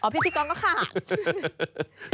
อ๋อพิธีกรก็ขาด